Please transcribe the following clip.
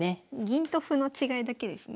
銀と歩の違いだけですね。